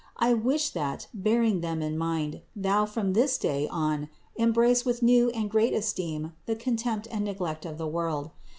I wish that, bearing them in mind, thou from this day on embrace with new and great esteem the contempt and neglect of the world.